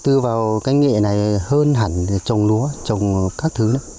thu vào cái nghệ này hơn hẳn trồng lúa trồng các thứ nữa